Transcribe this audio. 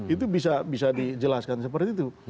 itu bisa dijelaskan seperti itu